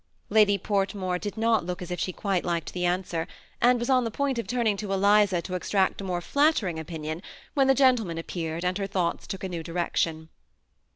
Lady Portmore did not look as if she quite liked the answer, and was on the point of turning to Eliza to extract a more flattering opinion, when the gentle men appeared, and her thoughts took a new direction.